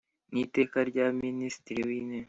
N iteka rya minisitiri w intebe